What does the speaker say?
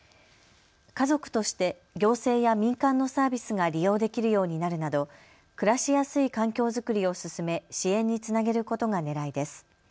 家族として行政や民間のサービスが利用できるようになるなど暮らしやすい環境作りを進め支援につなげることがねらいです。